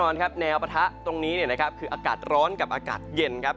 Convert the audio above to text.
แนวประทะตรงนี้นะครับคืออากาศร้อนกับอากาศเย็นนะครับ